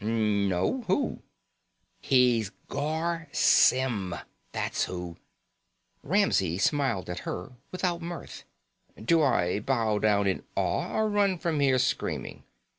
"No. Who?" "He's Garr Symm, that's who." Ramsey smiled at her without mirth. "Do I bow down in awe or run from here screaming?